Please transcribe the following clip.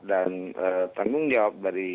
dan tanggung jawab dari